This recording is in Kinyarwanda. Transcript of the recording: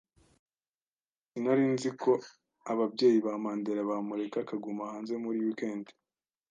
Sinari nzi ko ababyeyi ba Mandera bamureka akaguma hanze muri wikendi.